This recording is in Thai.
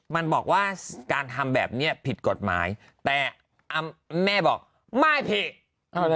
มันบอกว่าการทำแบบนี้ผิดกฎหมายแต่แม่บอกไม่ผิด